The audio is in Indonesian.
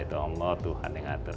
itu allah tuhan yang atas